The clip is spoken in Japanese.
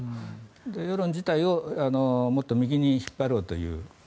世論自体をもっと右に引っ張ろうという。